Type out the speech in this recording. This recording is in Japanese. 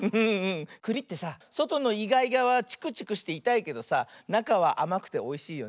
くりってさそとのイガイガはチクチクしていたいけどさなかはあまくておいしいよね。